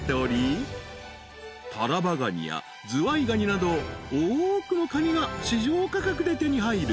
［タラバガニやズワイガニなど多くのカニが市場価格で手に入る］